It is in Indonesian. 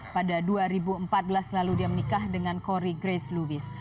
pada dua ribu empat belas lalu dia menikah dengan cory grace lubis